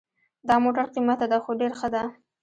دا موټر قیمته ده خو ډېر ښه ده